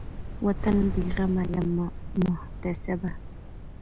وطن بېغمه له محتسبه